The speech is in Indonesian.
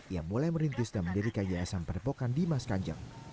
ia mulai merintis dan mendirikan yayasan perepokan di mas kanjang